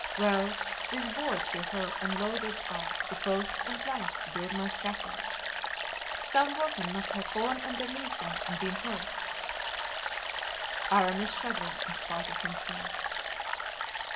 Well, these boards you hear unloaded are the posts and planks to build my scaffold. Some workmen must have fallen underneath them and been hurt." Aramis shuddered in spite of himself.